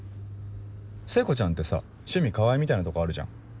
聖子ちゃんってさ「趣味川合」みたいなとこあるじゃん。